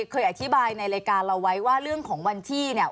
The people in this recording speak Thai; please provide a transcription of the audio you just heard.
เคยอธิบายในรายการเราไว้ว่าเรื่องของวันที่เนี่ย